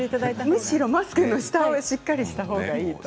むしろマスクの下をしっかりしたほうがいいと。